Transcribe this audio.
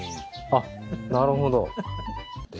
あっなるほど。